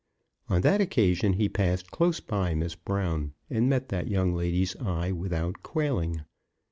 On that occasion, he passed close by Miss Brown, and met that young lady's eye without quailing.